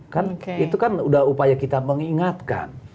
kan itu kan udah upaya kita mengingatkan